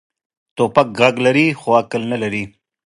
توپک غږ لري، خو عقل نه لري.